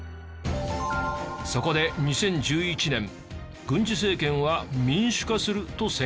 そこで２０１１年軍事政権は民主化すると宣言。